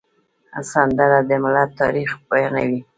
سندره د ملت تاریخ بیانوي